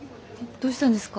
どうしたんですか？